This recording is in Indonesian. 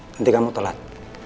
nanti kamu telat